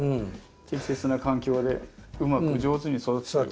適切な環境でうまく上手に育ててる。